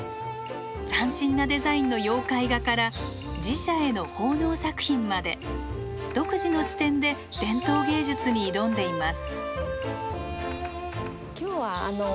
斬新なデザインの妖怪画から寺社への奉納作品まで独自の視点で伝統芸術に挑んでいます。